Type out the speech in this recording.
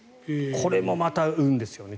これもまた運ですよね。